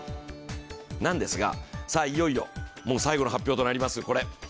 なんですが、いよいよ、もう最後の発表となります。